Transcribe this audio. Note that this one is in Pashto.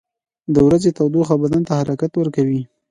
• د ورځې تودوخه بدن ته حرکت ورکوي.